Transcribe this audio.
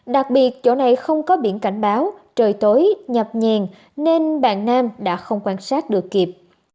đặc biệt chỗ này không có biển cảnh báo trời tối nhập nhèn nên bạn nam đã không quan sát được kịp